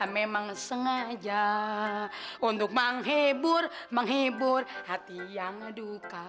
memang sengaja untuk menghibur menghibur hati yang duka